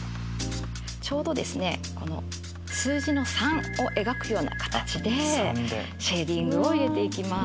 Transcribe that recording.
ちょうどですね数字の３を描くような形でシェーディングを入れていきます。